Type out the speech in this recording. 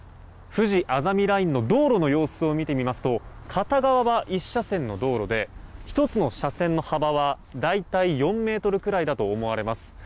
ふじあざみラインの道路の様子を見てみますと片側は１車線の道路で１つの車線の幅は大体４ｍくらいだと思われます。